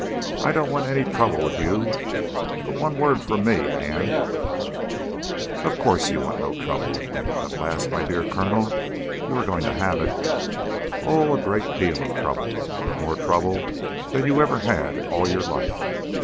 I don't want any trouble with you, but one word from me and " "Of course you want no trouble with me; but, alas! my dear Colonel, you are going to have it. Oh, a great deal of trouble. More trouble than you ever had in all your life.